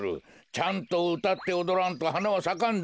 ちゃんとうたっておどらんとはなはさかんぞ。